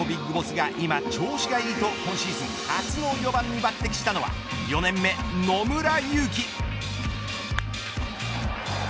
ＢＩＧＢＯＳＳが今調子がいいと今シーズン初の４番に抜てきしたのは４年目野村佑希。